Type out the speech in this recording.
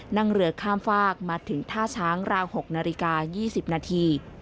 นั่งเรือข้ามฝากมาถึงท่าช้างราว๖นาฬิกา๒๐นาที